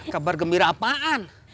kabar gembira apaan